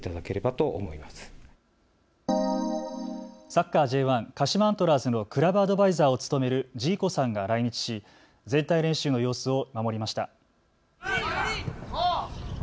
サッカーＪ１鹿島アントラーズのクラブアドバイザーを務めるジーコさんが来日し全体練習の様子を見守りました。